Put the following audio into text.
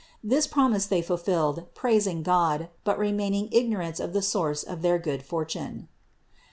This promise they fulfilled, praising God, but remaining ignorant of the source of their good fortune.